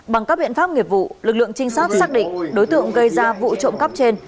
bằng các biện pháp nghiệp vụ lực lượng trinh sát xác định đối tượng gây ra vụ trộm cắp trên